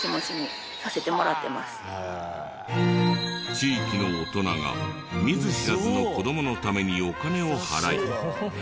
地域の大人が見ず知らずの子どものためにお金を払い。